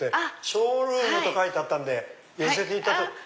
ショールームと書いてあったんで寄らせていただいて。